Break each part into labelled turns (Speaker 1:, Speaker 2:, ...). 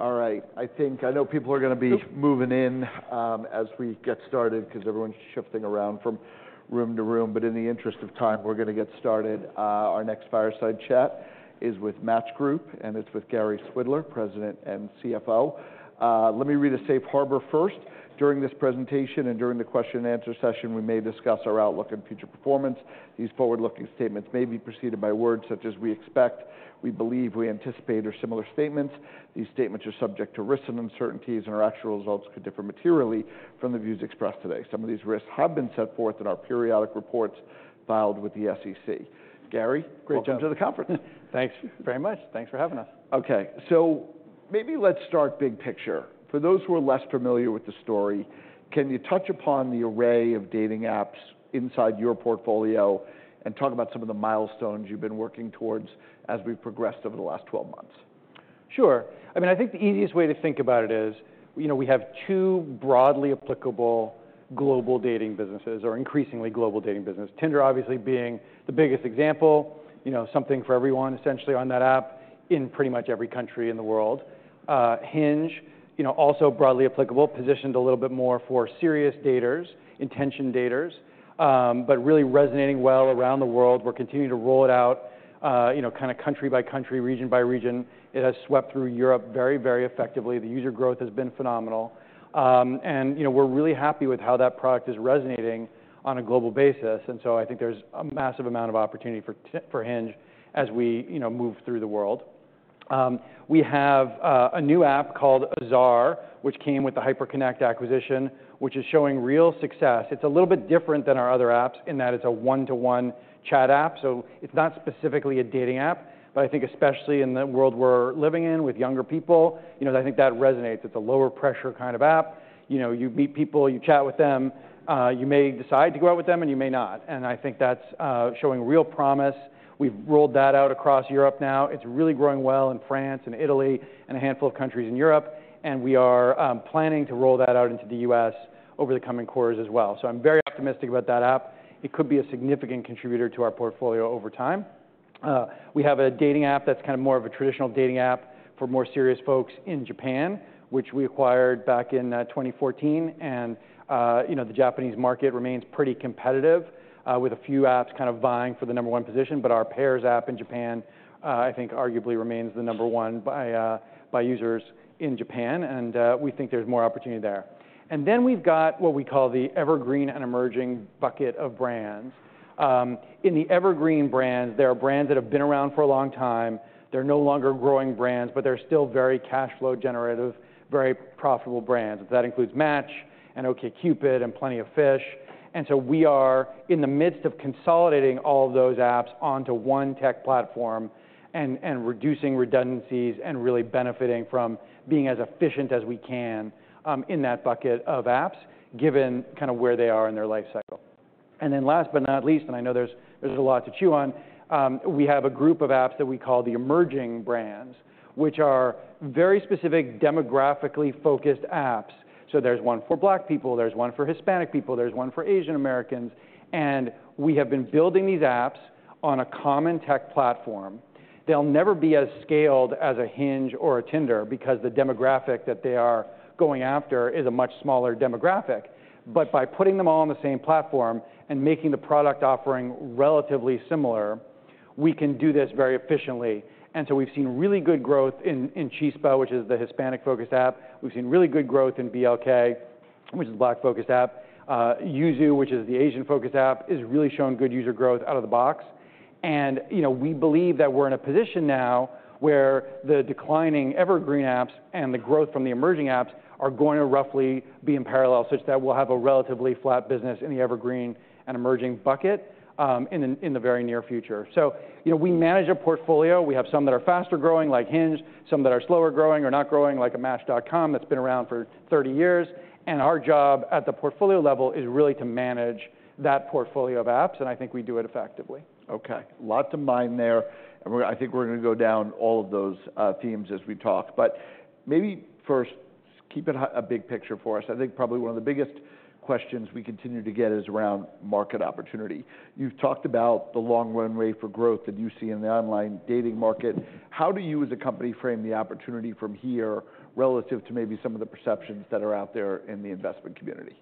Speaker 1: All right. I think I know people are gonna be moving in, as we get started, 'cause everyone's shifting around from room to room. But in the interest of time, we're gonna get started. Our next fireside chat is with Match Group, and it's with Gary Swidler, President and CFO. Let me read a safe harbor first. During this presentation and during the question and answer session, we may discuss our outlook and future performance. These forward-looking statements may be preceded by words such as: we expect, we believe, we anticipate, or similar statements. These statements are subject to risks and uncertainties, and our actual results could differ materially from the views expressed today. Some of these risks have been set forth in our periodic reports filed with the SEC. Gary welcome to the conference.
Speaker 2: Thanks very much. Thanks for having us.
Speaker 1: Okay, so maybe let's start big picture. For those who are less familiar with the story, can you touch upon the array of dating apps inside your portfolio and talk about some of the milestones you've been working towards as we've progressed over the last 12 months?
Speaker 2: Sure. I mean, I think the easiest way to think about it is, you know, we have two broadly applicable global dating businesses or increasingly global dating business. Tinder obviously being the biggest example, you know, something for everyone, essentially on that app in pretty much every country in the world. Hinge, you know, also broadly applicable, positioned a little bit more for serious daters, intention daters, but really resonating well around the world. We're continuing to roll it out, you know, kind of country by country, region by region. It has swept through Europe very, very effectively. The user growth has been phenomenal. And, you know, we're really happy with how that product is resonating on a global basis, and so I think there's a massive amount of opportunity for Hinge as we, you know, move through the world. We have a new app called Azar, which came with the Hyperconnect acquisition, which is showing real success. It's a little bit different than our other apps in that it's a one-to-one chat app, so it's not specifically a dating app, but I think especially in the world we're living in with younger people, you know, I think that resonates. It's a lower pressure kind of app. You know, you meet people, you chat with them, you may decide to go out with them, and you may not, and I think that's showing real promise. We've rolled that out across Europe now. It's really growing well in France and Italy and a handful of countries in Europe, and we are planning to roll that out into the U.S. over the coming quarters as well, so I'm very optimistic about that app. It could be a significant contributor to our portfolio over time. We have a dating app that's kind of more of a traditional dating app for more serious folks in Japan, which we acquired back in 2014. You know, the Japanese market remains pretty competitive with a few apps kind of vying for the number one position. But our Pairs app in Japan I think arguably remains the number one by users in Japan, and we think there's more opportunity there. And then we've got what we call the Evergreen and Emerging bucket of brands. In the Evergreen brands, there are brands that have been around for a long time. They're no longer growing brands, but they're still very cash flow generative, very profitable brands. That includes Match and OkCupid and Plenty of Fish. And so we are in the midst of consolidating all of those apps onto one tech platform and reducing redundancies and really benefiting from being as efficient as we can in that bucket of apps, given kind of where they are in their life cycle. And then last but not least, and I know there's a lot to chew on, we have a group of apps that we call the Emerging brands, which are very specific, demographically focused apps. So there's one for Black people, there's one for Hispanic people, there's one for Asian-Americans, and we have been building these apps on a common tech platform. They'll never be as scaled as a Hinge or a Tinder because the demographic that they are going after is a much smaller demographic. But by putting them all on the same platform and making the product offering relatively similar, we can do this very efficiently. And so we've seen really good growth in Chispa, which is the Hispanic-focused app. We've seen really good growth in BLK, which is a Black-focused app. Yuzu, which is the Asian-focused app, is really showing good user growth out of the box. And, you know, we believe that we're in a position now where the declining evergreen apps and the growth from the Emerging apps are going to roughly be in parallel, such that we'll have a relatively flat business in the Evergreen and Emerging bucket, in the very near future. So, you know, we manage a portfolio. We have some that are faster growing, like Hinge, some that are slower growing or not growing, like a Match.com that's been around for 30 years, and our job at the portfolio level is really to manage that portfolio of apps, and I think we do it effectively.
Speaker 1: Okay, lots of mindshare there. And we're... I think we're gonna go down all of those themes as we talk. But maybe first, keep it a big picture for us. I think probably one of the biggest questions we continue to get is around market opportunity. You've talked about the long run rate for growth that you see in the online dating market. How do you, as a company, frame the opportunity from here relative to maybe some of the perceptions that are out there in the investment community?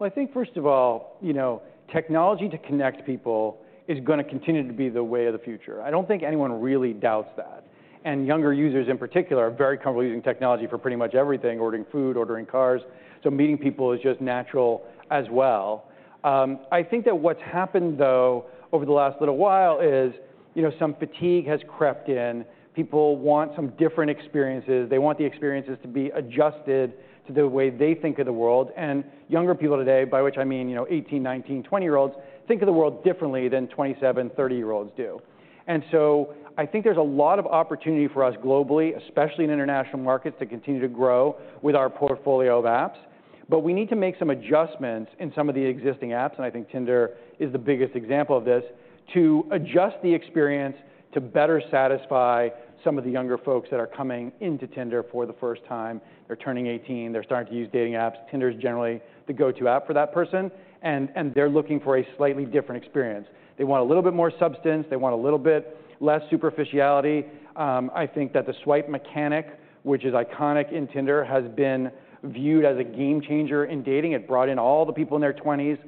Speaker 1: I think first of all, you know, technology to connect people is gonna continue to be the way of the future. I don't think anyone really doubts that. And younger users, in particular, are very comfortable using technology for pretty much everything, ordering food, ordering cars, so meeting people is just natural as well. I think that what's happened, though, over the last little while is, you know, some fatigue has crept in. People want some different experiences. They want the experiences to be adjusted to the way they think of the world. And younger people today, by which I mean, you know, 18-, 19-, 20-year-olds, think of the world differently than 27-, 30-year-olds do. And so I think there's a lot of opportunity for us globally, especially in international markets, to continue to grow with our portfolio of apps. But we need to make some adjustments in some of the existing apps, and I think Tinder is the biggest example of this, to adjust the experience to better satisfy some of the younger folks that are coming into Tinder for the first time. They're turning 18. They're starting to use dating apps. Tinder is generally the go-to app for that person, and they're looking for a slightly different experience. They want a little bit more substance. They want a little bit less superficiality. I think that the swipe mechanic, which is iconic in Tinder, has been viewed as a game changer in dating. It brought in all the people in their 20s,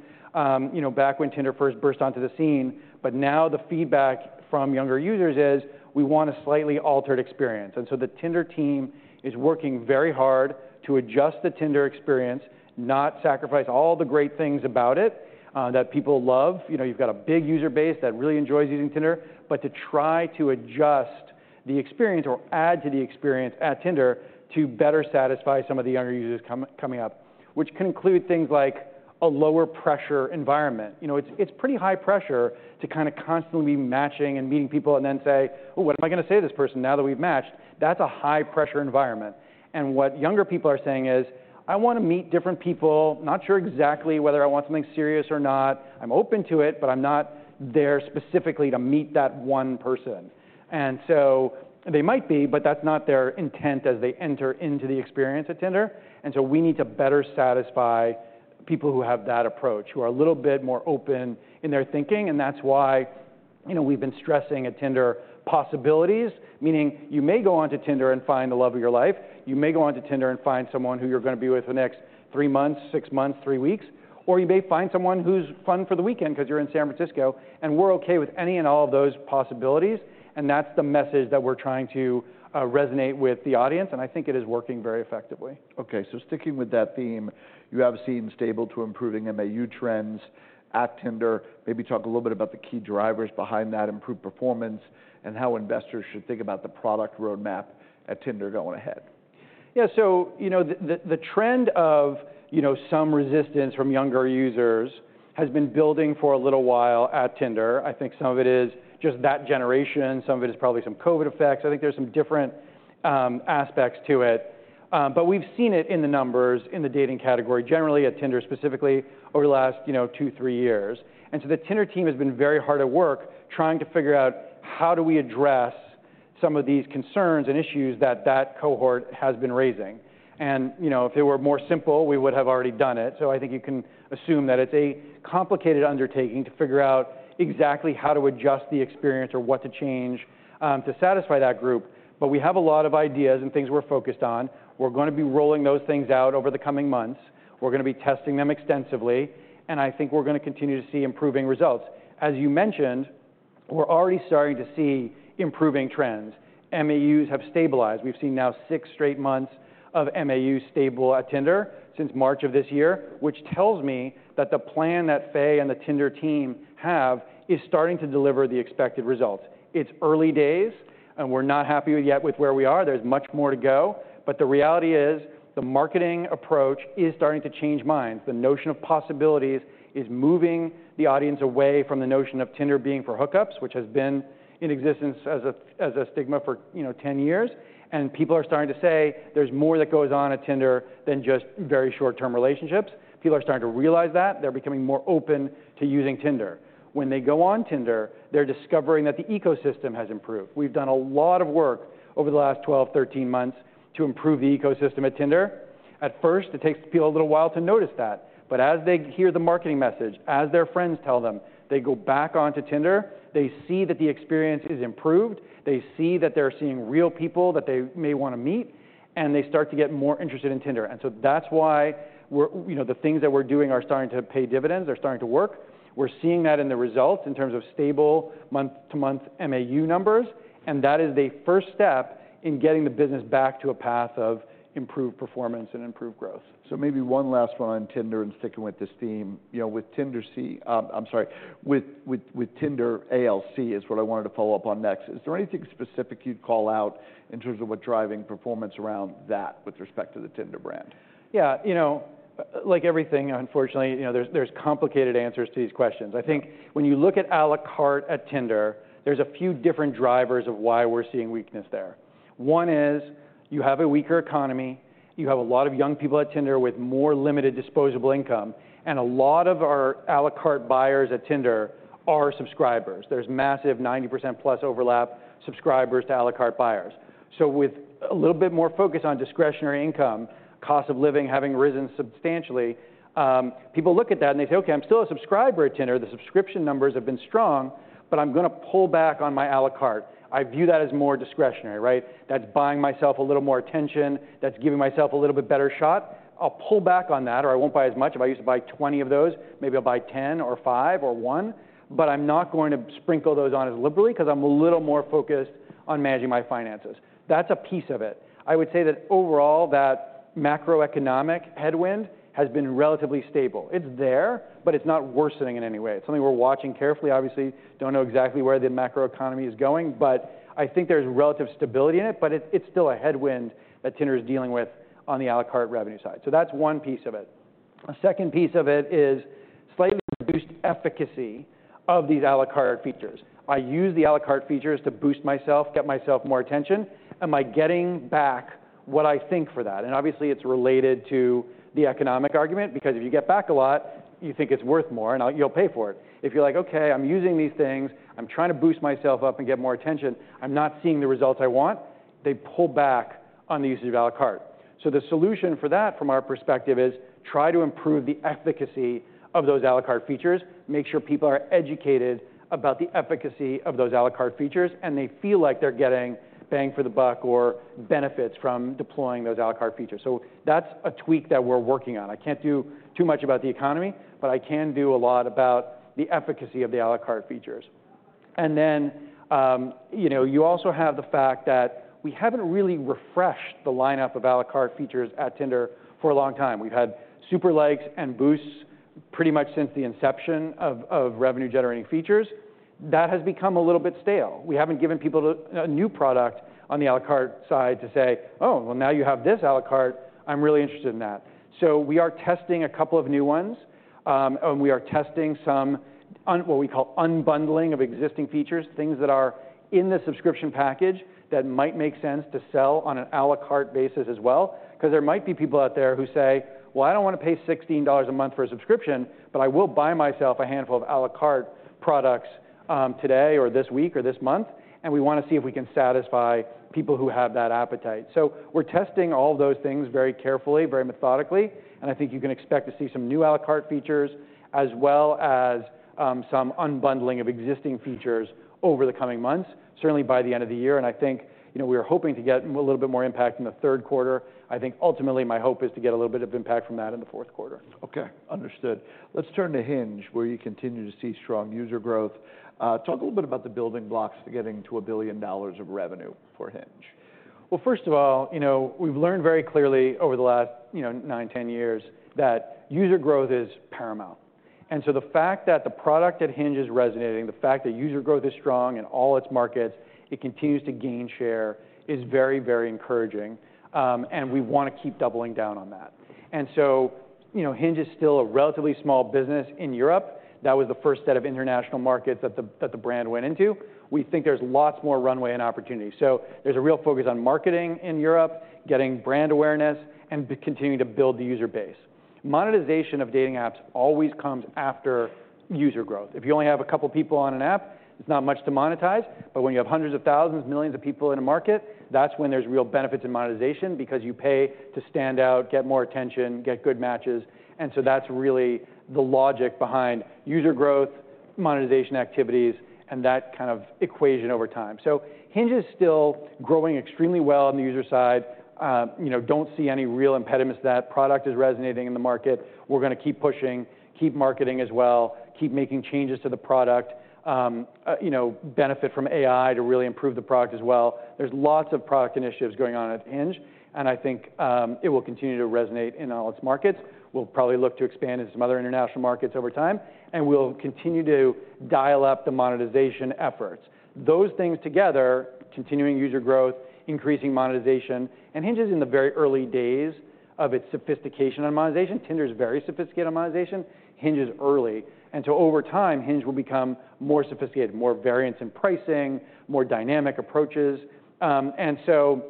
Speaker 1: you know, back when Tinder first burst onto the scene. But now the feedback from younger users is: We want a slightly altered experience. And so the Tinder team is working very hard to adjust the Tinder experience, not sacrifice all the great things about it, that people love. You know, you've got a big user base that really enjoys using Tinder. But to try to adjust the experience or add to the experience at Tinder to better satisfy some of the younger users coming up, which can include things like a lower pressure environment. You know, it's pretty high pressure to kinda constantly be matching and meeting people and then say, "Well, what am I gonna say to this person now that we've matched?" That's a high-pressure environment. And what younger people are saying is, "I wanna meet different people. Not sure exactly whether I want something serious or not. I'm open to it, but I'm not there specifically to meet that one person," and so they might be, but that's not their intent as they enter into the experience at Tinder, and so we need to better satisfy people who have that approach, who are a little bit more open in their thinking, and that's why, you know, we've been stressing at Tinder possibilities, meaning you may go on to Tinder and find the love of your life. You may go on to Tinder and find someone who you're gonna be with for the next three months, six months, three weeks, or you may find someone who's fun for the weekend 'cause you're in San Francisco, and we're okay with any and all of those possibilities, and that's the message that we're trying to resonate with the audience, and I think it is working very effectively. Okay, so sticking with that theme, you have seen stable to improving MAU trends at Tinder. Maybe talk a little bit about the key drivers behind that improved performance and how investors should think about the product roadmap at Tinder going ahead.
Speaker 2: Yeah, so, you know, the trend of, you know, some resistance from younger users has been building for a little while at Tinder. I think some of it is just that generation. Some of it is probably some COVID effects. I think there's some different aspects to it, but we've seen it in the numbers in the dating category, generally at Tinder, specifically over the last, you know, two, three years. And so the Tinder team has been very hard at work, trying to figure out, how do we address some of these concerns and issues that cohort has been raising? And, you know, if it were more simple, we would have already done it. So I think you can assume that it's a complicated undertaking to figure out exactly how to adjust the experience or what to change, to satisfy that group. But we have a lot of ideas and things we're focused on. We're gonna be rolling those things out over the coming months. We're gonna be testing them extensively, and I think we're gonna continue to see improving results. As you mentioned, we're already starting to see improving trends. MAUs have stabilized. We've seen now six straight months of MAU stable at Tinder since March of this year, which tells me that the plan that Faye and the Tinder team have is starting to deliver the expected results. It's early days, and we're not happy yet with where we are. There's much more to go, but the reality is, the marketing approach is starting to change minds. The notion of possibilities is moving the audience away from the notion of Tinder being for hookups, which has been in existence as a stigma for, you know, 10 years. And people are starting to say, "There's more that goes on at Tinder than just very short-term relationships." People are starting to realize that. They're becoming more open to using Tinder. When they go on Tinder, they're discovering that the ecosystem has improved. We've done a lot of work over the last 12, 13 months to improve the ecosystem at Tinder. At first, it takes people a little while to notice that, but as they hear the marketing message, as their friends tell them, they go back onto Tinder. They see that the experience is improved. They see that they're seeing real people that they may wanna meet, and they start to get more interested in Tinder. And so that's why we're, you know, the things that we're doing are starting to pay dividends. They're starting to work. We're seeing that in the results in terms of stable month-to-month MAU numbers, and that is a first step in getting the business back to a path of improved performance and improved growth.
Speaker 1: So maybe one last one on Tinder and sticking with this theme. You know, with Tinder, I'm sorry, with Tinder ALC is what I wanted to follow up on next. Is there anything specific you'd call out in terms of what's driving performance around that with respect to the Tinder brand?
Speaker 2: Yeah, you know, like everything, unfortunately, you know, there's complicated answers to these questions. I think when you look at à la carte at Tinder, there's a few different drivers of why we're seeing weakness there. One is, you have a weaker economy. You have a lot of young people at Tinder with more limited disposable income, and a lot of our à la carte buyers at Tinder are subscribers. There's massive, 90% plus overlap, subscribers to à la carte buyers. So with a little bit more focus on discretionary income, cost of living having risen substantially, people look at that, and they say, "Okay, I'm still a subscriber at Tinder. The subscription numbers have been strong, but I'm gonna pull back on my à la carte. I view that as more discretionary, right? That's buying myself a little more attention. That's giving myself a little bit better shot. I'll pull back on that, or I won't buy as much. If I used to buy 20 of those, maybe I'll buy 10 or five or one, but I'm not going to sprinkle those on as liberally 'cause I'm a little more focused on managing my finances." That's a piece of it. I would say that overall, that macroeconomic headwind has been relatively stable. It's there, but it's not worsening in any way. It's something we're watching carefully. Obviously, don't know exactly where the macroeconomy is going, but I think there's relative stability in it, but it's still a headwind that Tinder is dealing with on the à la carte revenue side. So that's one piece of it. A second piece of it is slightly reduced efficacy of these à la carte features. I use the à la carte features to boost myself, get myself more attention. Am I getting back what I think for that? Obviously, it's related to the economic argument, because if you get back a lot, you think it's worth more, and you'll pay for it. If you're like, "Okay, I'm using these things, I'm trying to boost myself up and get more attention, I'm not seeing the results I want," they pull back on the use of à la carte. The solution for that, from our perspective, is try to improve the efficacy of those à la carte features, make sure people are educated about the efficacy of those à la carte features, and they feel like they're getting bang for the buck or benefits from deploying those à la carte features. That's a tweak that we're working on. I can't do too much about the economy, but I can do a lot about the efficacy of the à la carte features. And then, you know, you also have the fact that we haven't really refreshed the lineup of à la carte features at Tinder for a long time. We've had Super Likes and Boosts pretty much since the inception of revenue-generating features. That has become a little bit stale. We haven't given people a new product on the à la carte side to say, "Oh, well, now you have this à la carte. I'm really interested in that." So we are testing a couple of new ones, and we are testing some unbundling of existing features, things that are in the subscription package that might make sense to sell on an à la carte basis as well. 'Cause there might be people out there who say, "Well, I don't want to pay $16 a month for a subscription, but I will buy myself a handful of à la carte products, today, or this week, or this month," and we wanna see if we can satisfy people who have that appetite. So we're testing all those things very carefully, very methodically, and I think you can expect to see some new à la carte features, as well as, some unbundling of existing features over the coming months, certainly by the end of the year. And I think, you know, we're hoping to get a little bit more impact in the third quarter. I think ultimately my hope is to get a little bit of impact from that in the fourth quarter.
Speaker 1: Okay, understood. Let's turn to Hinge, where you continue to see strong user growth. Talk a little bit about the building blocks to getting to $1 billion of revenue for Hinge.
Speaker 2: First of all, you know, we've learned very clearly over the last, you know, nine, 10 years, that user growth is paramount. And so the fact that the product at Hinge is resonating, the fact that user growth is strong in all its markets, it continues to gain share, is very, very encouraging. And we wanna keep doubling down on that. And so, you know, Hinge is still a relatively small business in Europe. That was the first set of international markets that the brand went into. We think there's lots more runway and opportunity. So there's a real focus on marketing in Europe, getting brand awareness, and continuing to build the user base. Monetization of dating apps always comes after user growth. If you only have a couple people on an app, there's not much to monetize. But when you have hundreds of thousands, millions of people in a market, that's when there's real benefits in monetization because you pay to stand out, get more attention, get good matches, and so that's really the logic behind user growth, monetization activities, and that kind of equation over time. So Hinge is still growing extremely well on the user side. You know, don't see any real impediments to that. Product is resonating in the market. We're gonna keep pushing, keep marketing as well, keep making changes to the product, you know, benefit from AI to really improve the product as well. There's lots of product initiatives going on at Hinge, and I think, it will continue to resonate in all its markets. We'll probably look to expand into some other international markets over time, and we'll continue to dial up the monetization efforts. Those things together, continuing user growth, increasing monetization. Hinge is in the very early days of its sophistication on monetization. Tinder is very sophisticated on monetization. Hinge is early, and so over time, Hinge will become more sophisticated, more variance in pricing, more dynamic approaches, and so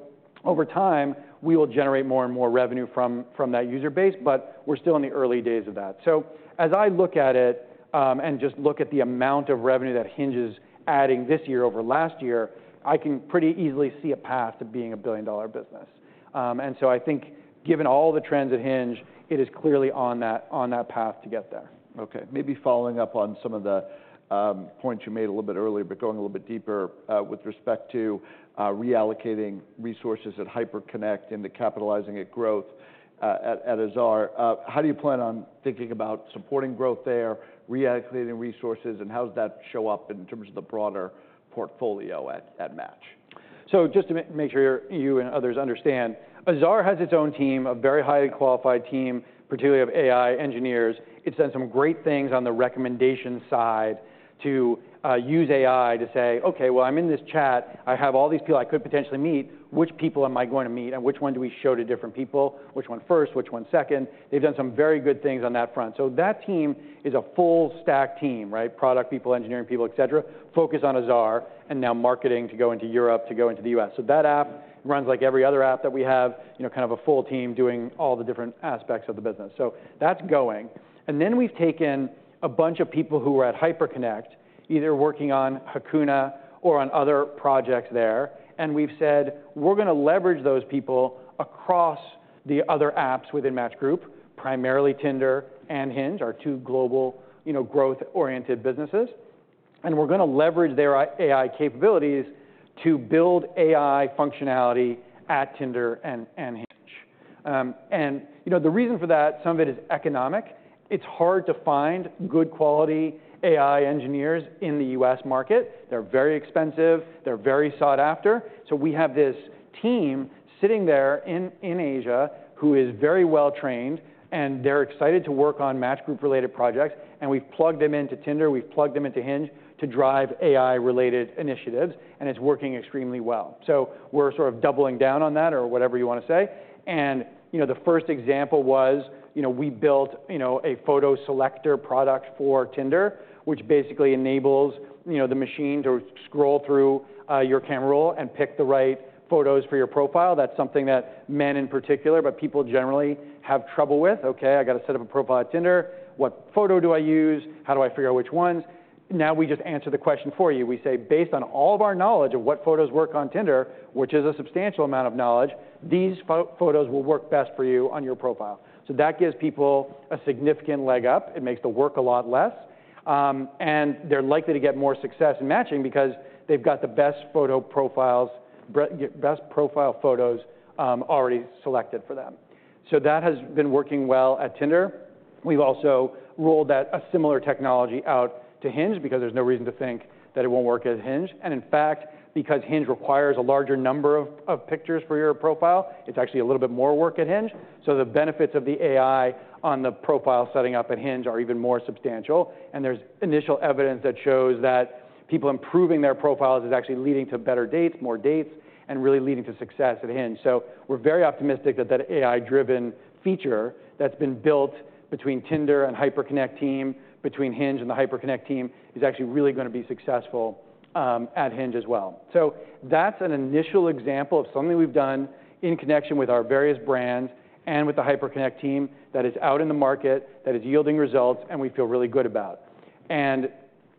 Speaker 2: over time, we will generate more and more revenue from that user base, but we're still in the early days of that. So as I look at it, and just look at the amount of revenue that Hinge is adding this year over last year, I can pretty easily see a path to being a billion-dollar business, and so I think given all the trends at Hinge, it is clearly on that path to get there.
Speaker 1: Okay, maybe following up on some of the points you made a little bit earlier, but going a little bit deeper, with respect to reallocating resources at Hyperconnect into capitalizing its growth at Azar. How do you plan on thinking about supporting growth there, reallocating resources, and how does that show up in terms of the broader portfolio at Match?
Speaker 2: So just to make sure you and others understand, Azar has its own team, a very highly qualified team, particularly of AI engineers. It's done some great things on the recommendation side to use AI to say, "Okay, well, I'm in this chat. I have all these people I could potentially meet. Which people am I going to meet, and which ones do we show to different people? Which one first, which one second?" They've done some very good things on that front. So that team is a full-stack team, right? Product people, engineering people, et cetera, focused on Azar, and now marketing to go into Europe, to go into the US. So that app runs like every other app that we have, you know, kind of a full team doing all the different aspects of the business. So that's going. And then we've taken a bunch of people who were at Hyperconnect, either working on Hakuna or on other projects there, and we've said: We're gonna leverage those people across the other apps within Match Group, primarily Tinder and Hinge, our two global, you know, growth-oriented businesses. And we're gonna leverage their AI capabilities to build AI functionality at Tinder and Hinge. You know, the reason for that, some of it is economic. It's hard to find good quality AI engineers in the U.S. market. They're very expensive. They're very sought after. So we have this team sitting there in Asia, who is very well-trained, and they're excited to work on Match Group-related projects, and we've plugged them into Tinder, we've plugged them into Hinge to drive AI-related initiatives, and it's working extremely well. We're sort of doubling down on that or whatever you want to say. And, you know, the first example was, you know, we built, you know, a Photo Selector product for Tinder, which basically enables, you know, the machine to scroll through your camera roll and pick the right photos for your profile. That's something that men in particular, but people generally have trouble with. "Okay, I've got to set up a profile at Tinder. What photo do I use? How do I figure out which ones?" Now, we just answer the question for you. We say, "Based on all of our knowledge of what photos work on Tinder," which is a substantial amount of knowledge, "these photos will work best for you on your profile." That gives people a significant leg up. It makes the work a lot less, and they're likely to get more success in matching because they've got the best photo profiles, best profile photos, already selected for them, so that has been working well at Tinder. We've also rolled out a similar technology out to Hinge because there's no reason to think that it won't work at Hinge, and in fact, because Hinge requires a larger number of pictures for your profile, it's actually a little bit more work at Hinge, so the benefits of the AI on the profile setting up at Hinge are even more substantial, and there's initial evidence that shows that people improving their profiles is actually leading to better dates, more dates, and really leading to success at Hinge. So we're very optimistic that that AI-driven feature that's been built between Tinder and Hyperconnect team, between Hinge and the Hyperconnect team, is actually really gonna be successful at Hinge as well. So that's an initial example of something we've done in connection with our various brands and with the Hyperconnect team that is out in the market, that is yielding results, and we feel really good about. And,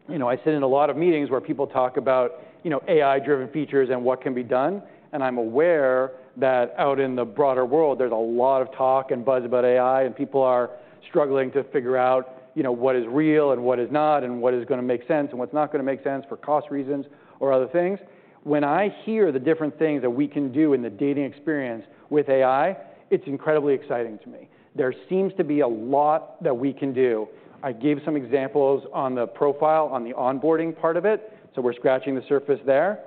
Speaker 2: you know, I sit in a lot of meetings where people talk about, you know, AI-driven features and what can be done, and I'm aware that out in the broader world, there's a lot of talk and buzz about AI, and people are struggling to figure out, you know, what is real and what is not, and what is gonna make sense and what's not gonna make sense for cost reasons or other things. When I hear the different things that we can do in the dating experience with AI, it's incredibly exciting to me. There seems to be a lot that we can do. I gave some examples on the profile, on the onboarding part of it, so we're scratching the surface there.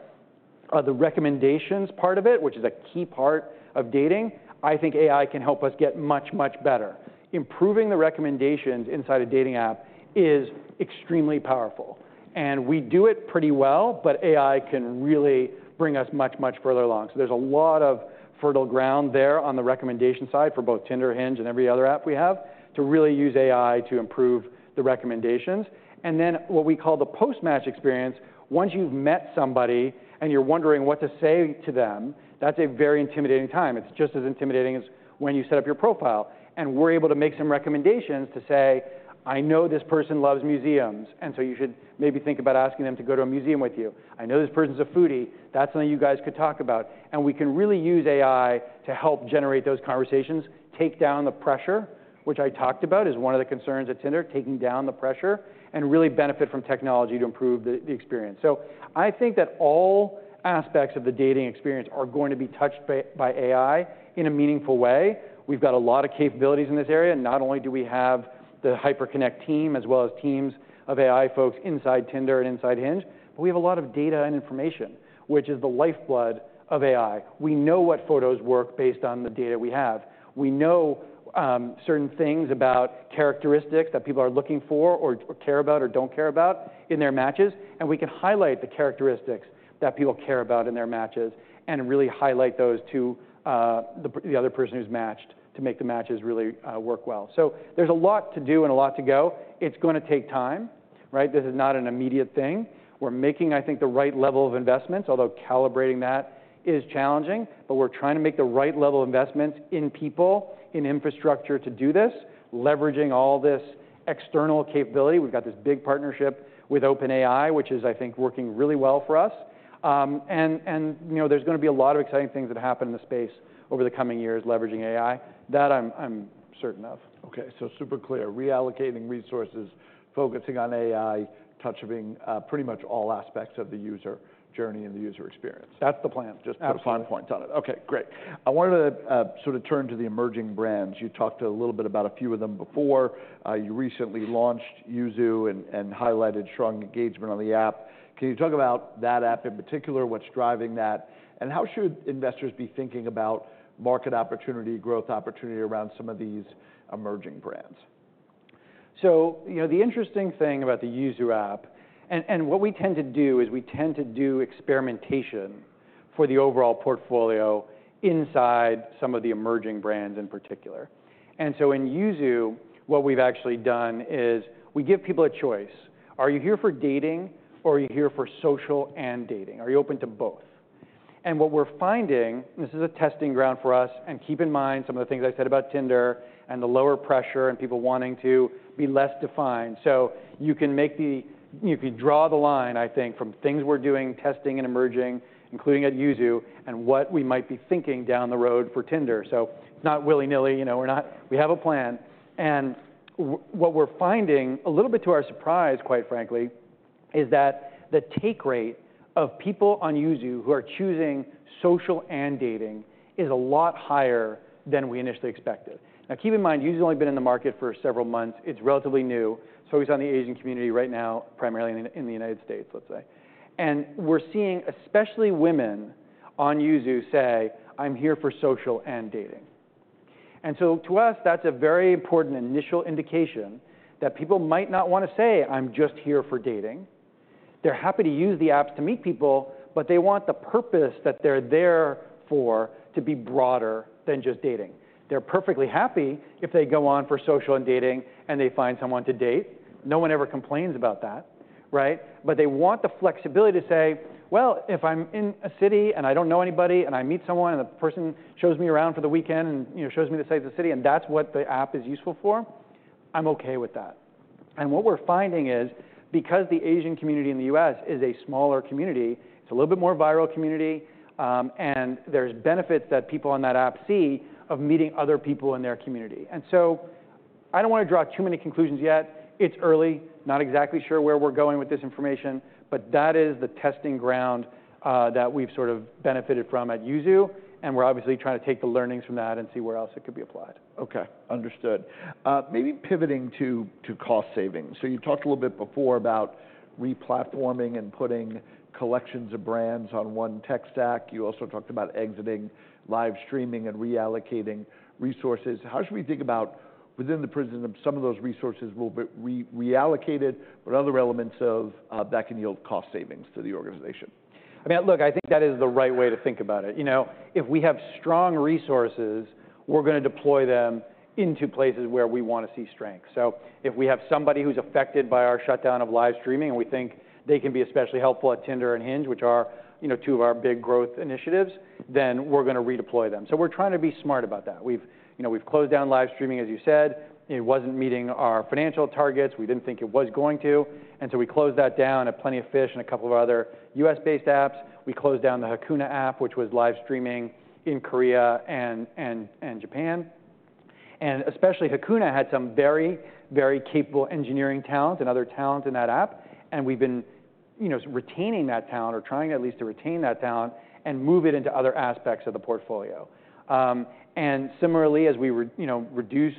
Speaker 2: The recommendations part of it, which is a key part of dating, I think AI can help us get much, much better. Improving the recommendations inside a dating app is extremely powerful, and we do it pretty well, but AI can really bring us much, much further along. So there's a lot of fertile ground there on the recommendation side for both Tinder, Hinge, and every other app we have to really use AI to improve the recommendations, and then what we call the post-match experience. Once you've met somebody and you're wondering what to say to them, that's a very intimidating time. It's just as intimidating as when you set up your profile. And we're able to make some recommendations to say, "I know this person loves museums, and so you should maybe think about asking them to go to a museum with you. I know this person's a foodie. That's something you guys could talk about." And we can really use AI to help generate those conversations, take down the pressure, which I talked about is one of the concerns at Tinder, taking down the pressure, and really benefit from technology to improve the experience. So I think that all aspects of the dating experience are going to be touched by AI in a meaningful way. We've got a lot of capabilities in this area. Not only do we have the Hyperconnect team, as well as teams of AI folks inside Tinder and inside Hinge, but we have a lot of data and information, which is the lifeblood of AI. We know what photos work based on the data we have. We know certain things about characteristics that people are looking for or care about or don't care about in their matches, and we can highlight the characteristics that people care about in their matches and really highlight those to the other person who's matched to make the matches really work well. So there's a lot to do and a lot to go. It's gonna take time, right? This is not an immediate thing. We're making, I think, the right level of investments, although calibrating that is challenging, but we're trying to make the right level of investments in people, in infrastructure to do this, leveraging all this external capability. We've got this big partnership with OpenAI, which is, I think, working really well for us. You know, there's gonna be a lot of exciting things that happen in the space over the coming years, leveraging AI. That I'm certain of.
Speaker 1: Okay, so super clear. Reallocating resources, focusing on AI, touching, pretty much all aspects of the user journey and the user experience.
Speaker 2: That's the plan.
Speaker 1: Just put fine points on it. Okay, great. I wanted to, sort of turn to the Emerging brands. You talked a little bit about a few of them before. You recently launched Yuzu and highlighted strong engagement on the app. Can you talk about that app in particular, what's driving that, and how should investors be thinking about market opportunity, growth opportunity around some of these Emerging brands?
Speaker 2: So, you know, the interesting thing about the Yuzu app. And what we tend to do is we tend to do experimentation for the overall portfolio inside some of the Emerging brands in particular. And so in Yuzu, what we've actually done is we give people a choice. Are you here for dating, or are you here for social and dating? Are you open to both? And what we're finding, this is a testing ground for us, and keep in mind some of the things I said about Tinder and the lower pressure and people wanting to be less defined. So you can draw the line, I think, from things we're doing, testing and Emerging, including at Yuzu, and what we might be thinking down the road for Tinder. So it's not willy-nilly, you know, we're not. We have a plan. And what we're finding, a little bit to our surprise, quite frankly, is that the take rate of people on Yuzu who are choosing social and dating is a lot higher than we initially expected. Now, keep in mind, Yuzu's only been in the market for several months. It's relatively new. It's focused on the Asian community right now, primarily in the United States, let's say. And we're seeing, especially women on Yuzu, say, "I'm here for social and dating." And so to us, that's a very important initial indication that people might not wanna say, "I'm just here for dating." They're happy to use the apps to meet people, but they want the purpose that they're there for to be broader than just dating. They're perfectly happy if they go on for social and dating, and they find someone to date. No one ever complains about that, right? But they want the flexibility to say, "Well, if I'm in a city and I don't know anybody, and I meet someone, and the person shows me around for the weekend and, you know, shows me the sights of the city, and that's what the app is useful for, I'm okay with that." And what we're finding is, because the Asian community in the U.S. is a smaller community, it's a little bit more viral community, and there's benefits that people on that app see of meeting other people in their community. And so I don't wanna draw too many conclusions yet. It's early. Not exactly sure where we're going with this information, but that is the testing ground that we've sort of benefited from at Yuzu, and we're obviously trying to take the learnings from that and see where else it could be applied.
Speaker 1: Okay, understood. Maybe pivoting to cost savings. So you talked a little bit before about re-platforming and putting collections of brands on one tech stack. You also talked about exiting live streaming and reallocating resources. How should we think about, within the prism of some of those resources will be reallocated, what other elements of that can yield cost savings to the organization?
Speaker 2: I mean, look, I think that is the right way to think about it. You know, if we have strong resources, we're gonna deploy them into places where we wanna see strength. So if we have somebody who's affected by our shutdown of live streaming, and we think they can be especially helpful at Tinder and Hinge, which are, you know, two of our big growth initiatives, then we're gonna redeploy them. So we're trying to be smart about that. We've, you know, we've closed down live streaming, as you said. It wasn't meeting our financial targets. We didn't think it was going to, and so we closed that down at Plenty of Fish and a couple of other U.S.-based apps. We closed down the Hakuna app, which was live streaming in Korea and Japan. And especially Hakuna had some very, very capable engineering talent and other talent in that app, and we've been, you know, retaining that talent or trying at least to retain that talent and move it into other aspects of the portfolio. And similarly, as we, you know, reduce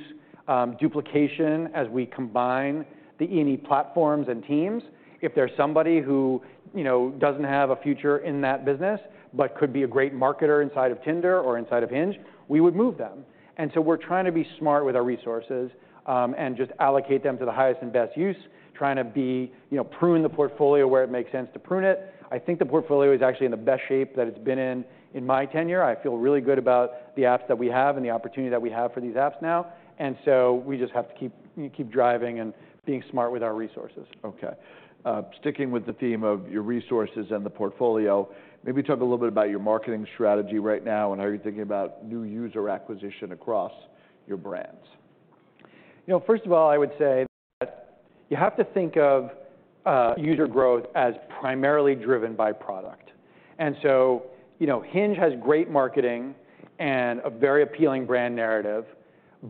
Speaker 2: duplication, as we combine the many platforms and teams, if there's somebody who, you know, doesn't have a future in that business but could be a great marketer inside of Tinder or inside of Hinge, we would move them. And so we're trying to be smart with our resources and just allocate them to the highest and best use, trying to, you know, prune the portfolio where it makes sense to prune it. I think the portfolio is actually in the best shape that it's been in in my tenure. I feel really good about the apps that we have and the opportunity that we have for these apps now, and so we just have to keep driving and being smart with our resources.
Speaker 1: Okay. Sticking with the theme of your resources and the portfolio, maybe talk a little bit about your marketing strategy right now, and how are you thinking about new user acquisition across your brands?
Speaker 2: You know, first of all, I would say that you have to think of user growth as primarily driven by product. So, you know, Hinge has great marketing and a very appealing brand narrative,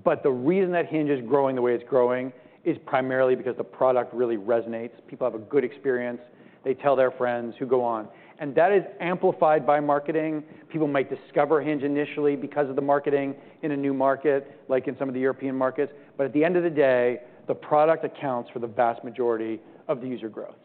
Speaker 2: but the reason that Hinge is growing the way it's growing is primarily because the product really resonates. People have a good experience. They tell their friends who go on, and that is amplified by marketing. People might discover Hinge initially because of the marketing in a new market, like in some of the European markets, but at the end of the day, the product accounts for the vast majority of the user growth.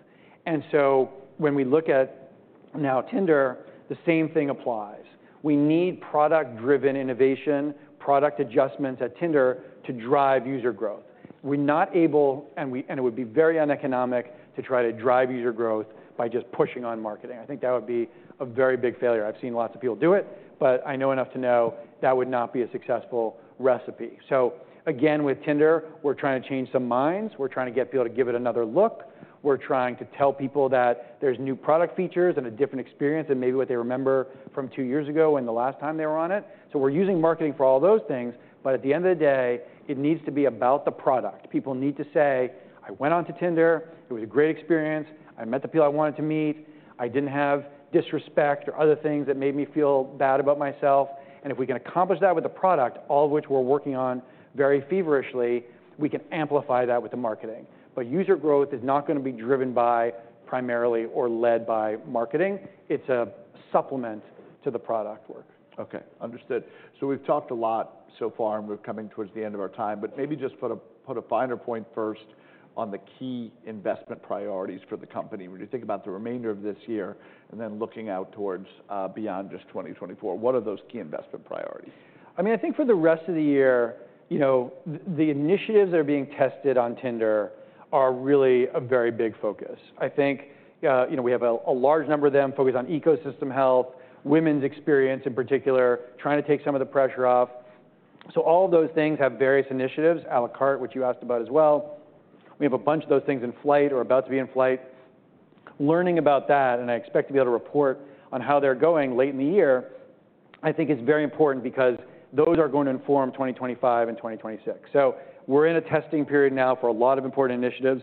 Speaker 2: So when we look at now Tinder, the same thing applies. We need product-driven innovation, product adjustments at Tinder to drive user growth. We're not able, and it would be very uneconomic to try to drive user growth by just pushing on marketing. I think that would be a very big failure. I've seen lots of people do it, but I know enough to know that would not be a successful recipe. So again, with Tinder, we're trying to change some minds. We're trying to get people to give it another look. We're trying to tell people that there's new product features and a different experience than maybe what they remember from two years ago and the last time they were on it. So we're using marketing for all those things, but at the end of the day, it needs to be about the product. People need to say, "I went on to Tinder. It was a great experience. I met the people I wanted to meet. I didn't have disrespect or other things that made me feel bad about myself," and if we can accomplish that with the product, all of which we're working on very feverishly, we can amplify that with the marketing. But user growth is not gonna be driven by primarily or led by marketing. It's a supplement to the product work.
Speaker 1: Okay, understood. So we've talked a lot so far, and we're coming towards the end of our time, but maybe just put a finer point first on the key investment priorities for the company. When you think about the remainder of this year and then looking out towards, beyond just 2024, what are those key investment priorities?
Speaker 2: I mean, I think for the rest of the year, you know, the initiatives that are being tested on Tinder are really a very big focus. I think, you know, we have a large number of them focused on ecosystem health, women's experience in particular, trying to take some of the pressure off. So all of those things have various initiatives. à la carte, which you asked about as well. We have a bunch of those things in flight or about to be in flight. Learning about that, and I expect to be able to report on how they're going late in the year, I think is very important because those are going to inform 2025 and 2026. So we're in a testing period now for a lot of important initiatives.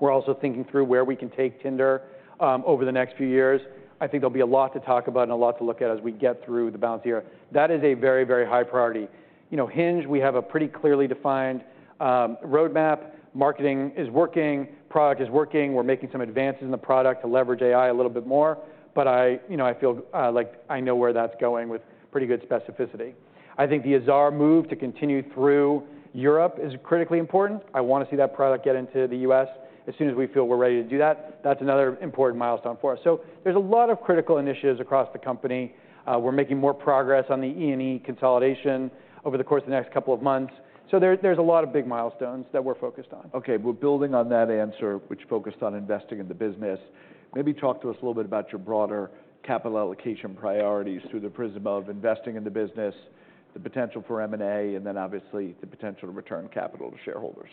Speaker 2: We're also thinking through where we can take Tinder over the next few years. I think there'll be a lot to talk about and a lot to look at as we get through the balance of the year. That is a very, very high priority. You know, Hinge, we have a pretty clearly defined roadmap. Marketing is working, product is working. We're making some advances in the product to leverage AI a little bit more, but I, you know, I feel, like I know where that's going with pretty good specificity. I think the Azar move to continue through Europe is critically important. I wanna see that product get into the U.S. as soon as we feel we're ready to do that. That's another important milestone for us. So there's a lot of critical initiatives across the company. We're making more progress on the E&E consolidation over the course of the next couple of months. So, there's a lot of big milestones that we're focused on.
Speaker 1: Okay, we're building on that answer, which focused on investing in the business. Maybe talk to us a little bit about your broader capital allocation priorities through the prism of investing in the business, the potential for M&A, and then obviously, the potential to return capital to shareholders.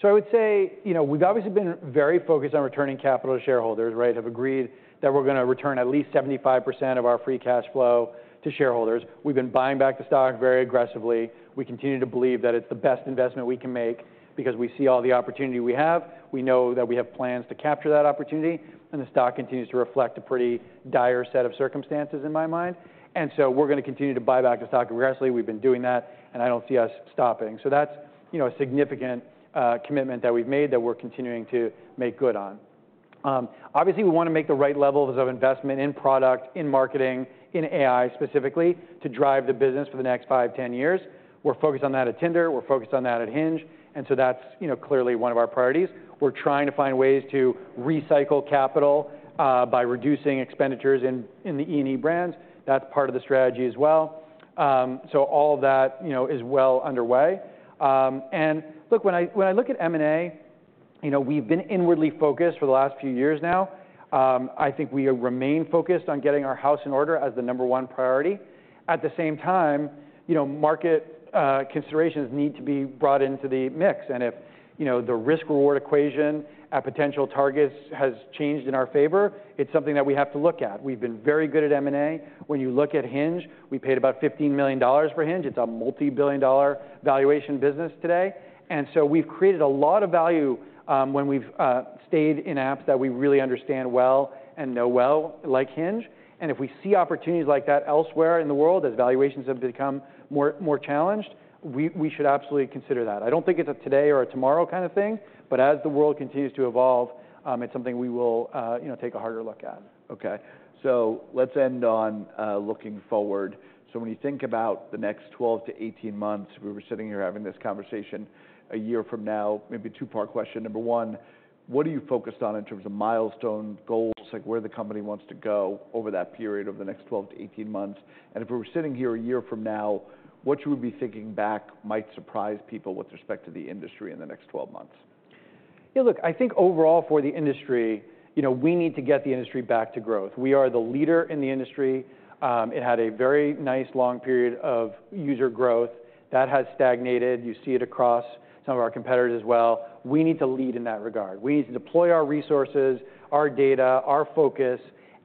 Speaker 2: So I would say, you know, we've obviously been very focused on returning capital to shareholders, right? We've agreed that we're gonna return at least 75% of our free cash flow to shareholders. We've been buying back the stock very aggressively. We continue to believe that it's the best investment we can make because we see all the opportunity we have. We know that we have plans to capture that opportunity, and the stock continues to reflect a pretty dire set of circumstances in my mind, and so we're gonna continue to buy back the stock aggressively. We've been doing that, and I don't see us stopping. So that's, you know, a significant commitment that we've made, that we're continuing to make good on. Obviously, we wanna make the right levels of investment in product, in marketing, in AI specifically, to drive the business for the next five, 10 years. We're focused on that at Tinder. We're focused on that at Hinge, and so that's, you know, clearly one of our priorities. We're trying to find ways to recycle capital by reducing expenditures in the E&E brands. That's part of the strategy as well, so all that, you know, is well underway, and look, when I look at M&A, you know, we've been inwardly focused for the last few years now. I think we have remained focused on getting our house in order as the number one priority. At the same time, you know, market considerations need to be brought into the mix, and if, you know, the risk-reward equation at potential targets has changed in our favor, it's something that we have to look at. We've been very good at M&A. When you look at Hinge, we paid about $15 million for Hinge. It's a multi-billion dollar valuation business today. And so we've created a lot of value, when we've stayed in apps that we really understand well and know well, like Hinge. And if we see opportunities like that elsewhere in the world, as valuations have become more challenged, we should absolutely consider that. I don't think it's a today or tomorrow kind of thing, but as the world continues to evolve, it's something we will, you know, take a harder look at.
Speaker 1: Okay, so let's end on looking forward. So when you think about the next 12-18 months, if we were sitting here having this conversation a year from now, maybe a two-part question. Number one, what are you focused on in terms of milestone goals, like where the company wants to go over that period of the next 12-18 months? And if we were sitting here a year from now, what you would be thinking back might surprise people with respect to the industry in the next 12 months?
Speaker 2: Yeah, look, I think overall for the industry, you know, we need to get the industry back to growth. We are the leader in the industry. It had a very nice, long period of user growth that has stagnated. You see it across some of our competitors as well. We need to lead in that regard. We need to deploy our resources, our data, our focus,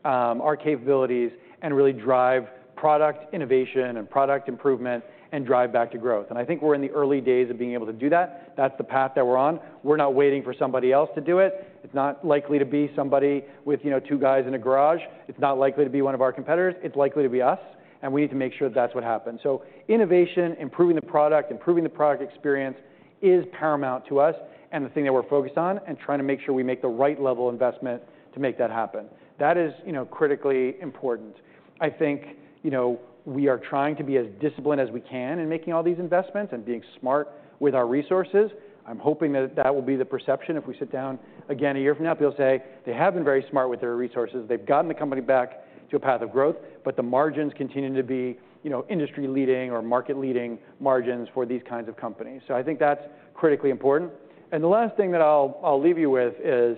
Speaker 2: our capabilities, and really drive product innovation and product improvement and drive back to growth. And I think we're in the early days of being able to do that. That's the path that we're on. We're not waiting for somebody else to do it. It's not likely to be somebody with, you know, two guys in a garage. It's not likely to be one of our competitors. It's likely to be us, and we need to make sure that's what happens. So innovation, improving the product, improving the product experience is paramount to us and the thing that we're focused on, and trying to make sure we make the right level of investment to make that happen. That is, you know, critically important. I think, you know, we are trying to be as disciplined as we can in making all these investments and being smart with our resources. I'm hoping that that will be the perception. If we sit down again a year from now, people say, "They have been very smart with their resources. They've gotten the company back to a path of growth, but the margins continue to be, you know, industry-leading or market-leading margins for these kinds of companies." So I think that's critically important. The last thing that I'll leave you with is,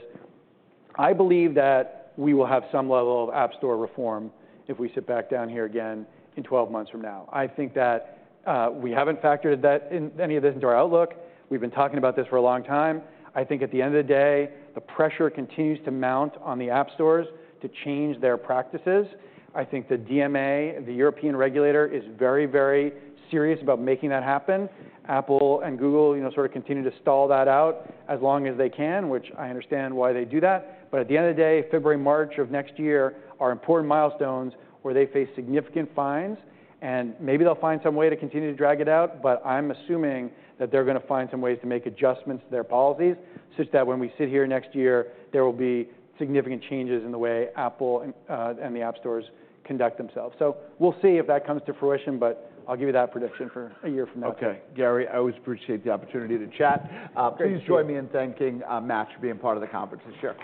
Speaker 2: I believe that we will have some level of app store reform if we sit back down here again in 12 months from now. I think that we haven't factored that in any of this into our outlook. We've been talking about this for a long time. I think at the end of the day, the pressure continues to mount on the app stores to change their practices. I think the DMA, the European regulator, is very, very serious about making that happen. Apple and Google, you know, sort of continue to stall that out as long as they can, which I understand why they do that. But at the end of the day, February, March of next year are important milestones where they face significant fines, and maybe they'll find some way to continue to drag it out. But I'm assuming that they're gonna find some ways to make adjustments to their policies, such that when we sit here next year, there will be significant changes in the way Apple and the app stores conduct themselves. So we'll see if that comes to fruition, but I'll give you that prediction for a year from now.
Speaker 1: Okay, Gary, I always appreciate the opportunity to chat.
Speaker 2: Thank you.
Speaker 1: Please join me in thanking Match for being part of the conference this year.